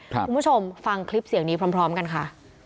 คุณผู้ชมฟังคลิปเสียงนี้พร้อมกันค่ะ